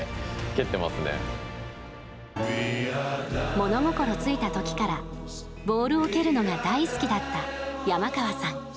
物心ついた時からボールを蹴るのが大好きだった山川さん。